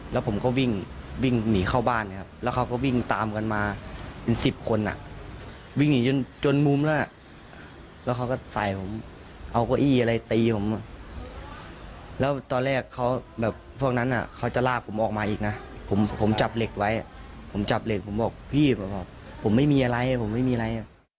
แล้วผมก็วิ่งวิ่งหนีเข้าบ้านนะครับแล้วเขาก็วิ่งตามกันมาเป็นสิบคนอ่ะวิ่งหนีจนมุมแล้วแล้วเขาก็ใส่ผมเอาเก้าอี้อะไรตีผมแล้วตอนแรกเขาแบบพวกนั้นเขาจะลากผมออกมาอีกนะผมจับเหล็กไว้ผมจับเหล็กผมบอกพี่ผมไม่มีอะไรผมไม่มีอะไร